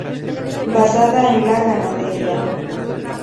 Basada en la ganadería.